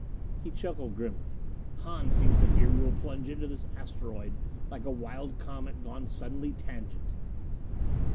He chuckled grimly. "Hahn seems to fear we will plunge into this asteroid like a wild comet gone suddenly tangent!"